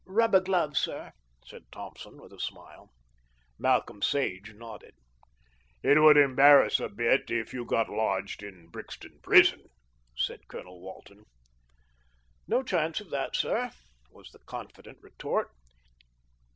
"Rubber gloves, sir," said Thompson with a smile. Malcolm Sage nodded. "It would embarrass us a bit if you got lodged in Brixton prison," said Colonel Walton. "No chance of that, sir," was the confident retort.